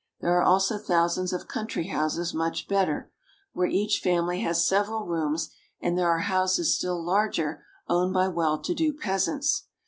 There are also thousands of coun try houses much better, where each family has several rooms, and there are houses still larger owned by well to do peas ants.